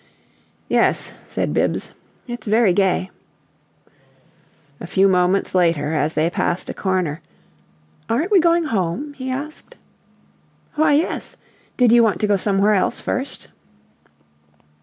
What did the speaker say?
"Yes," said Bibbs. "It's very gay." A few moments later, as they passed a corner, "Aren't we going home?" he asked. "Why, yes! Did you want to go somewhere else first?"